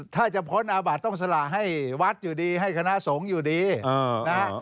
ถ้าจะพ้นอาบัติต้องสละให้วัดอยู่ดีให้คณะสงฆ์อยู่ดีนะฮะ